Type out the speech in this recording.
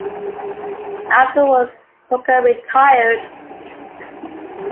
Afterwards, Croker retired.